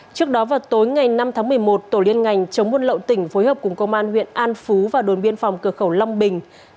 trước đó vào tối ngày năm tháng một mươi một tổ liên ngành chống buôn lậu tỉnh phối hợp cùng công an huyện an phú và đồn biên phòng cửa khẩu long bình